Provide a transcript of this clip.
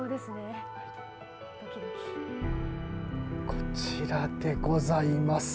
こちらでございます。